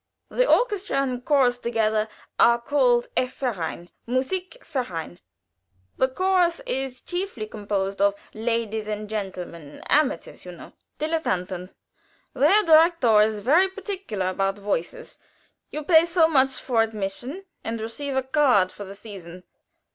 The orchestra and chorus together are called a verein musik verein. The chorus is chiefly composed of ladies and gentlemen amateurs, you know Dilettanten. The Herr Direktor is very particular about voices. You pay so much for admission, and receive a card for the season.